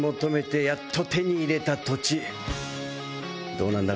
どうなんだ？